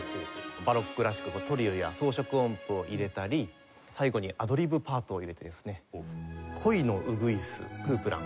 バロックらしくトリルや装飾音符を入れたり最後にアドリブパートを入れてですね。